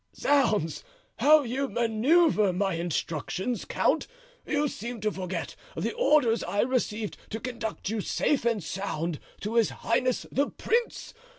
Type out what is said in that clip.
"Zounds! how you manoeuvre my instructions, count! You seem to forget the orders I received to conduct you safe and sound to his highness the prince!